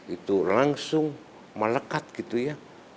itu langsung melekat gitu ya